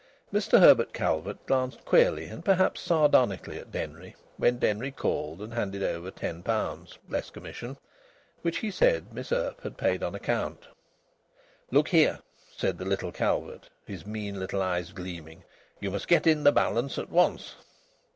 Mr Herbert Calvert glanced queerly and perhaps sardonically at Denry when Denry called and handed over ten pounds (less commission) which he said Miss Earp had paid on account. "Look here," said the little Calvert, his mean little eyes gleaming. "You must get in the balance at once."